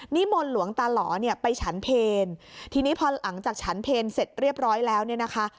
มนต์หลวงตาหล่อเนี่ยไปฉันเพลทีนี้พอหลังจากฉันเพลเสร็จเรียบร้อยแล้วเนี่ยนะคะ